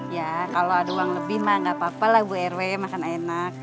ya kalau ada uang lebih mah gak apa apa lah bu rw makan enak